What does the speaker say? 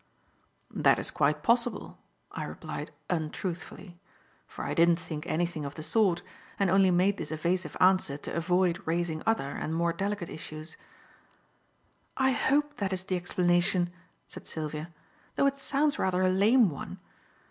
"That is quite possible," I replied untruthfully for I didn't think anything of the sort, and only made this evasive answer to avoid raising other and more delicate issues. "I hope that is the explanation," said Sylvia, "though it sounds rather a lame one.